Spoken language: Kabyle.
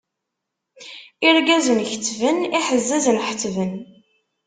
Irgazen kettben, iḥezzazen ḥettben.